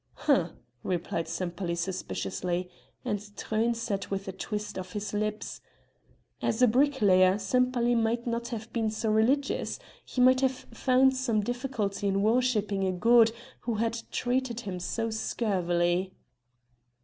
"Hm!" replied Sempaly suspiciously, and Truyn said with a twist of his lips: "As a bricklayer Sempaly might not have been so religious; he might have found some difficulty in worshipping a God who had treated him so scurvily."